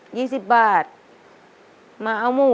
ขอเพียงคุณสามารถที่จะเอ่ยเอื้อนนะครับ